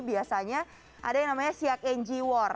biasanya ada yang namanya siak ng war